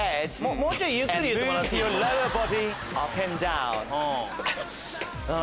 もうちょいゆっくり言ってもらっていい？